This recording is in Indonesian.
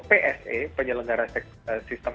pse penyelenggara sistem